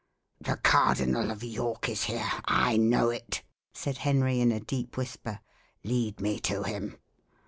"The Cardinal of York is here I know it," said Henry in a deep whisper. "Lead me to him."